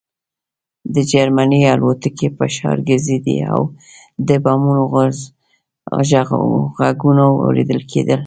د جرمني الوتکې په ښار ګرځېدې او د بمونو غږونه اورېدل کېدل